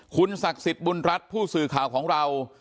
คุณศักดิ์สิทธิ์บุญรัฐผู้สื่อข่าวของเรา